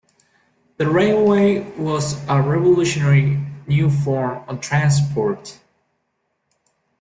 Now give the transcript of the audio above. The railway was a revolutionary new form of transport.